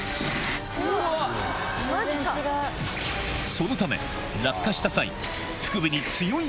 そのため落下した際